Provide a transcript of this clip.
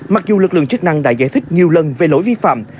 mặc dù lực lượng chức năng đã giải thích nhiều lần về lỗi vi phạm